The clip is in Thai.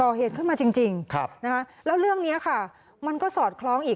ขึ้นมาจริงแล้วเรื่องนี้ค่ะมันก็สอดคล้องอีก